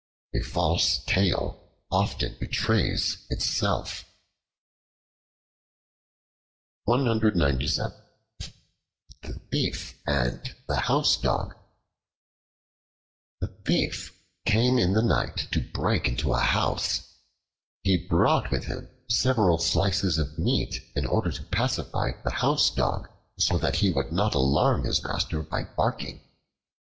A false tale often betrays itself. The Thief and the Housedog A THIEF came in the night to break into a house. He brought with him several slices of meat in order to pacify the Housedog, so that he would not alarm his master by barking.